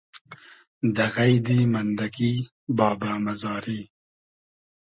دۂ غݷدی مئندئگی بابۂ مئزاری